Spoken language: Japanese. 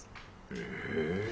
へえ。